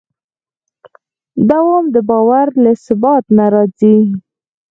دوام د باور له ثبات نه راځي.